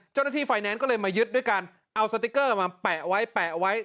เจ้าหน้าที่ไฟแนนซ์ก็เลยมายึดด้วยการเอาสติ๊กเกอร์มาแปะไว้แปะเอาไว้